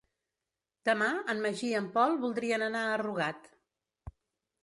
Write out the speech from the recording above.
Demà en Magí i en Pol voldrien anar a Rugat.